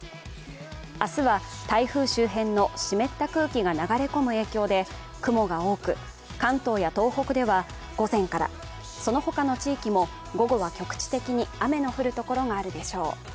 明日は台風周辺の湿った空気が流れ込む影響で雲が多く、関東や東北では午前から、そのほかの地域も午後は局地的に雨の降るところがあるでしょう。